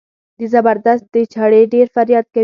د زبردست د چړې ډېر فریاد کوي.